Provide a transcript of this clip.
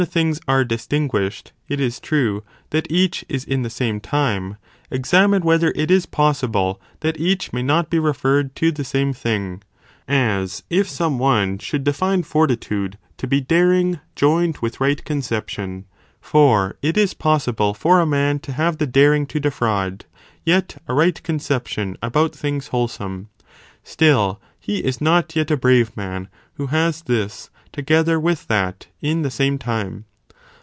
§ things are distinguished, it is true that each is in the same time, examine whether it is possible that each may not be referred to the same thing; as if (some one) should define fortitude to be daring joined with right conception, for it is possible for a man to have the daring to defraud, yet a right conception about things wholesome; still he is not yet a brave man, who has this, together with that, in the same time.